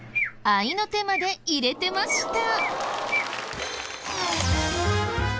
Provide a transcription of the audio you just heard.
合いの手まで入れてました。